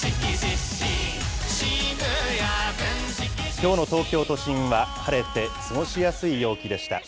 きょうの東京都心は晴れて、過ごしやすい陽気でした。